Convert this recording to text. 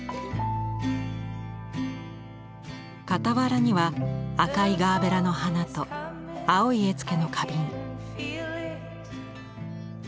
傍らには赤いガーベラの花と青い絵付けの花瓶。